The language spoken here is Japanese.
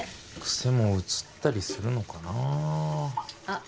癖もうつったりするのかなああ